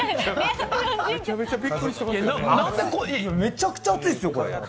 めちゃくちゃ熱いですよ。